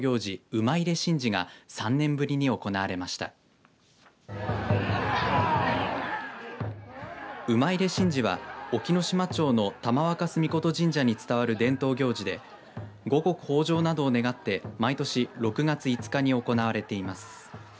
馬入れ神事は隠岐の島町の玉若酢命神社に伝わる伝統行事で五穀豊じょうなどを願って毎年６月５日に行われています。